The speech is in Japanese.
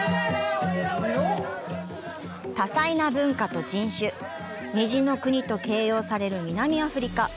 多彩な文化と人種、「虹の国」と形容される南アフリカ。